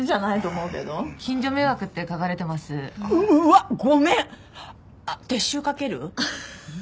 うわっごめん！